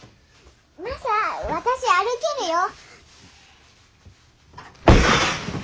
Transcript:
マサ私歩けるよ。